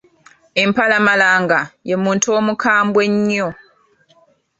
Empalamalanga ye muntu omukambwe ennyo.